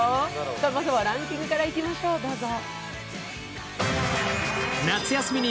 まずはランキングからいきましょう、どうぞ！